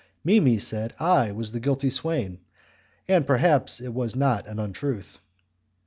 Mimi said I was the guilty swain, and perhaps it was not an untruth.